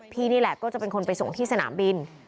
นี่แหละก็จะเป็นคนไปส่งที่สนามบิน